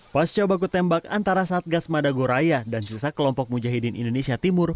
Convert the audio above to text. pasca baku tembak antara satgas madagoraya dan sisa kelompok mujahidin indonesia timur